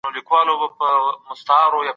هغه به ئې تر فشارونو لاندي کړې وه.